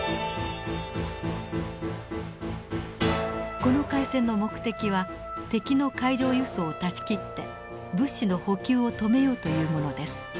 この海戦の目的は敵の海上輸送を断ち切って物資の補給を止めようというものです。